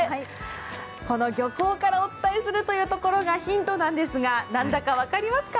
この漁港からお伝えするというところがヒントなんですが、何だか分かりますか？